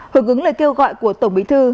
hợp ứng lời kêu gọi của tổng bí thư